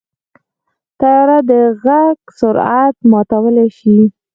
طیاره د غږ سرعت ماتولی شي.